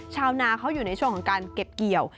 ชาวนาเขาอยู่ในช่วงของการเก็บเกี่ยว